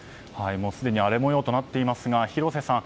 すでに荒れ模様となっていますが広瀬さん